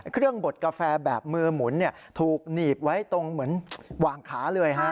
บดกาแฟแบบมือหมุนถูกหนีบไว้ตรงเหมือนวางขาเลยฮะ